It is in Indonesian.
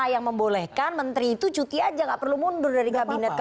yang membolehkan menteri itu cuti saja tidak perlu mundur dari kabinet kmu